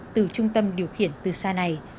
từ trung tâm điều khiển từ xa này